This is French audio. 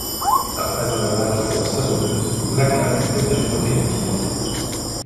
Après un lavage à l'eau savonneuse, la cape peut être réutilisée.